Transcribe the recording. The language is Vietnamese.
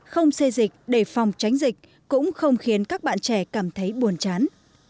không xê dịch đề phòng tránh dịch cũng không khiến các bạn trẻ cảm thấy buồn chán